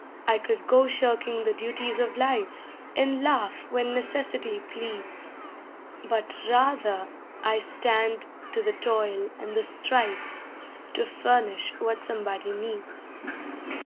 I could go shirking the duties of life And laugh when necessity pleads, But rather I stand to the toil and the strife To furnish what somebody needs.